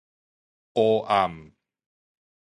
烏暗